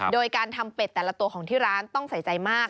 โดยการทำเป็ดแต่ละตัวของที่ร้านต้องใส่ใจมาก